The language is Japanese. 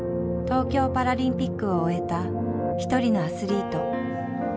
東京パラリンピックを終えたひとりのアスリート。